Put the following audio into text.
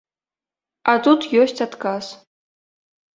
А тут ёсць адказ.